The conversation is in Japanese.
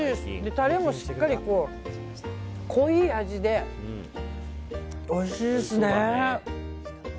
タレもしっかり濃い味でおいしいですね。